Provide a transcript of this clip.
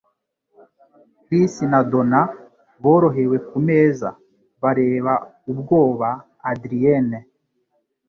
Chris na Donna borohewe kumeza, bareba ubwoba Adrienne.